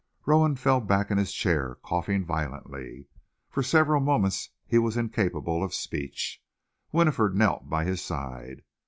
Rowan fell back in his chair, coughing violently. For several moments he was incapable of speech. Winifred knelt by his side.